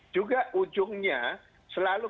juga ujungnya selalu